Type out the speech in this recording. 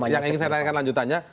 yang ingin saya tanyakan lanjutannya